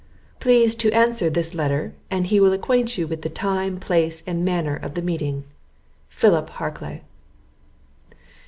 Please to answer this letter, and he will acquaint you with the time, place, and manner of the meeting. "PHILIP HARCLAY."